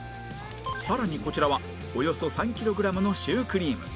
さらにこちらはおよそ３キログラムのシュークリーム